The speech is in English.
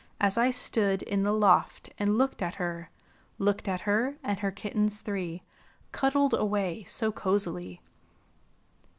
As I stood in the loft and looked at her; Looked at her and her kittens three Cuddled away so cozily.